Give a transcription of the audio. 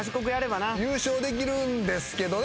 優勝できるんですけどね